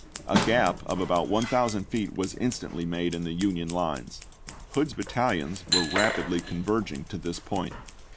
A gap of about one thousand feet was instantly made in the Union lines ; Hood's battalions were rapidly con verging to this point.